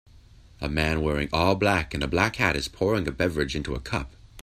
A man wearing all black and a black hat is pouring a beverage into a cup.